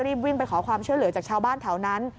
รีบวิ่งไปขอความช่วยเหลือจากชาวบ้านแถวนั้น